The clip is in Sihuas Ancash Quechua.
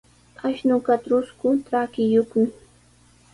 Ashnuqa trusku trakiyuqmi.